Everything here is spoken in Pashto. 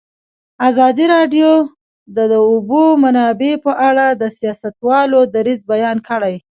ازادي راډیو د د اوبو منابع په اړه د سیاستوالو دریځ بیان کړی.